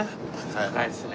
高いですね。